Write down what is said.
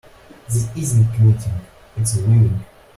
This isn't knitting, its weaving.